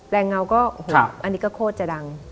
เงาก็โอ้โหอันนี้ก็โคตรจะดัง